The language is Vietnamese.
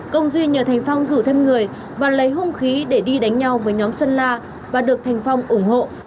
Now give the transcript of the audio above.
công duy nhờ thành phong rủ thêm người và lấy hung khí để đi đánh nhau với nhóm xuân la và được thành phong ủng hộ